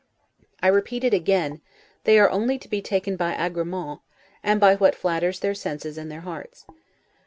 I repeat it again, they are only to be taken by 'agremens', and by what flatters their senses and their hearts.